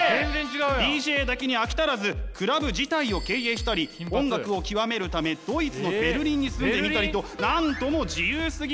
ＤＪだけに飽き足らずクラブ自体を経営したり音楽を極めるためドイツのベルリンに住んでみたりとなんとも自由すぎ！